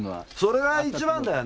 それは一番だよね。